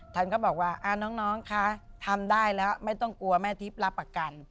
ท่านก็บอกว่าน้องคะทำได้แล้วไม่ต้องกลัวแม่ทิพย์รับประกัน